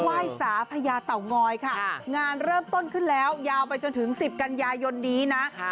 ไหว้สาพญาเต่างอยค่ะงานเริ่มต้นขึ้นแล้วยาวไปจนถึง๑๐กันยายนนี้นะ